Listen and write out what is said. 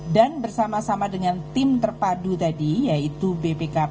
dan bersama sama dengan tim terpadu tadi yaitu bpkp jamdatun dan ipb